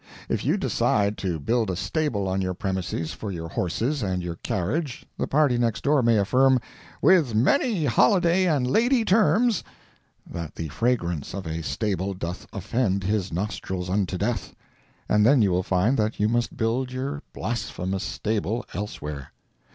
If you decide to build a stable on your premises for your horses and your carriage, the party next door may affirm "with many holiday and lady terms," that the fragrance of a stable doth offend his nostrils unto death—and then you will find that you must build your blasphemous stable elsewhere.